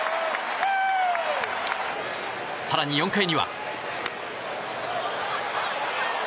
更に４回には。